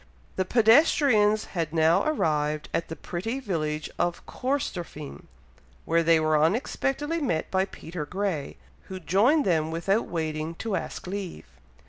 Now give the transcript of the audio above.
The pedestrians had now arrived at the pretty village of Corstorphine, when they were unexpectedly met by Peter Grey, who joined them without waiting to ask leave.